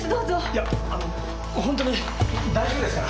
いやあのホントに大丈夫ですから。